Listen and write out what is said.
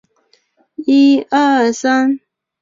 阿梅里卡诺多布拉西尔是巴西戈亚斯州的一个市镇。